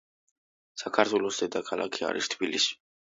საქართველოს დედაქალაქი არის თბილისი